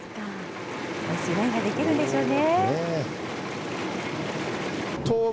おいしいワインが出来るんでしょうね。